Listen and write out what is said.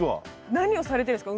何をされてるんですか？